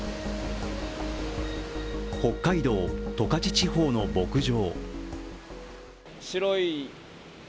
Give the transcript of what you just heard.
北海道十勝地方の牧場。